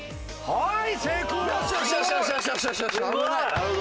はい。